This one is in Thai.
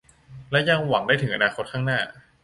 และยังหวังได้ถึงอนาคตข้างหน้า